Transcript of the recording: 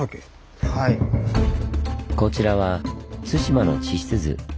こちらは対馬の地質図。